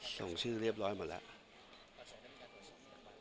ส่งชื่อเรียบร้อยหมดแล้ว